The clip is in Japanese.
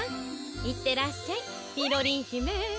いってらっしゃいみろりんひめ。